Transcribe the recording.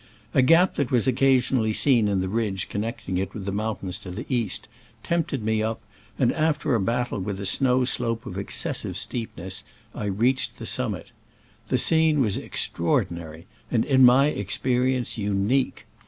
A gap that was occa sionally seen in the ridge connecting it with the mountains to the east tempted me up, and after a battle with a snow slope of excessive steepness, I reached the summit. The scene was extraordi nary, and, in my experience, unique.